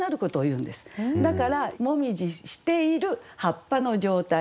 だから紅葉している葉っぱの状態。